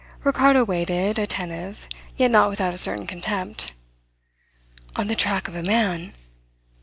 Ricardo waited, attentive, yet not without a certain contempt. "On the track of a man!"